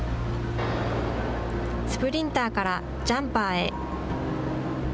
スプリンターからジャンパーへ。